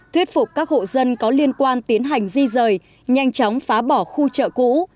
thuyết phục các hộ dân có liên quan tiến hành di rời nhanh chóng phá bỏ khu chợ cũ